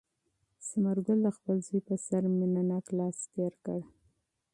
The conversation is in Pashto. ثمر ګل د خپل زوی په سر مینه ناک لاس تېر کړ.